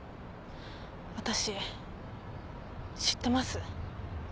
私知ってます。